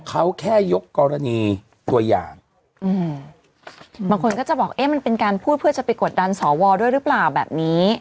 เขาแค่ยกกรณีตัวอย่างอืมบางคนก็จะบอกเอ๊ะมันเป็นการพูดเพื่อจะไปกดดันสวด้วยหรือเปล่าแบบนี้